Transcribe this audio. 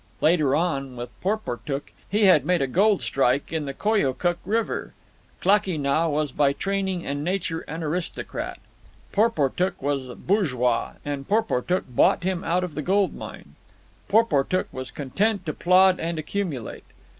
Later on, with Porportuk, he had made a gold strike on the Koyokuk River. Klakee Nah was by training and nature an aristocrat. Porportuk was bourgeois, and Porportuk bought him out of the gold mine. Porportuk was content to plod and accumulate.